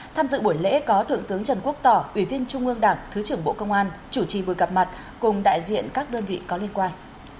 tham dự buổi lễ có thượng tướng trần quốc tỏ ủy viên trung ương đảng thứ trưởng bộ công an chủ trì buổi gặp mặt cùng đại diện các đơn vị có liên quan